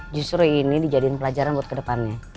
justru ini dijadikan pelajaran buat kedepannya